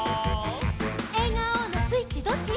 「えがおのスイッチどっち？」